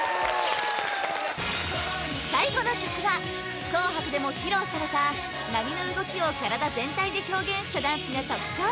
最後の曲は紅白でも披露された波の動きを体全体で表現したダンスが特徴